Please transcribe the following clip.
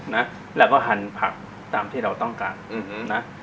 นะแล้วก็หันผักตามที่เราต้องการนะ